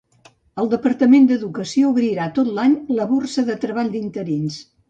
El Departament d'Educació obrirà tot l'any la borsa de treball d'interins.